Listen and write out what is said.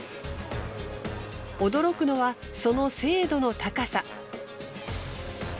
驚くのはその精度の高さ。